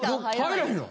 入らへんの？